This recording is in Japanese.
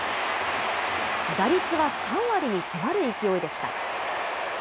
打率は３割に迫る勢いでした。